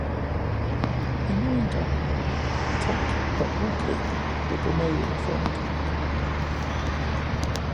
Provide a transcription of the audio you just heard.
Endnu en gang tak og okay, jeg går med ud og får en drink!